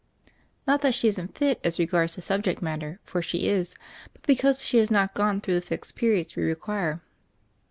"Not that she isn't fit as regards the subject matter, for she is ; but because she has not gone through the fixed periods we require."